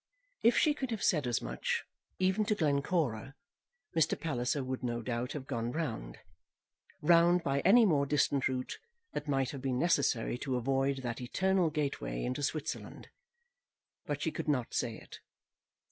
If she could have said as much, even to Glencora, Mr. Palliser would no doubt have gone round, round by any more distant route that might have been necessary to avoid that eternal gateway into Switzerland. But she could not say it.